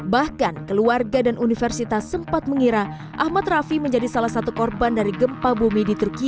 bahkan keluarga dan universitas sempat mengira ahmad rafi menjadi salah satu korban dari gempa bumi di turki